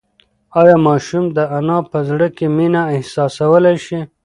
ایا ماشوم د انا په زړه کې مینه احساسولی شي؟